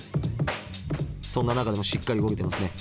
そんな中でもしっかり動いてますね。